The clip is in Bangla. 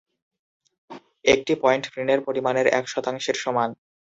একটি পয়েন্ট ঋণের পরিমাণের এক শতাংশের সমান।